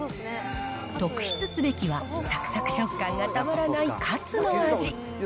特筆すべきは、さくさく食感がたまらないカツの味。